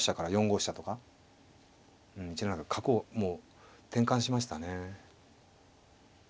うん何か角をもう転換しましたね。